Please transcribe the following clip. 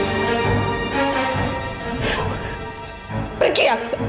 aku akan pergi